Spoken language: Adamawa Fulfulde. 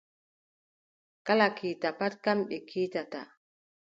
Kala kiita pat kamɓe kiitata.